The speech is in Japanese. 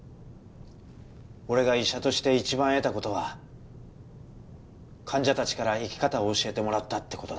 俺が医者として一番得た事は患者たちから生き方を教えてもらったって事だ。